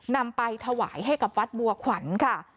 นำไปถวายให้กับวัดบัวขวัญค่ะ